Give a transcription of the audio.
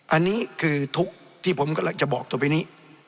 อันนี้คือทุกข์ที่ผมกำลังจะบอกต่อไปนี้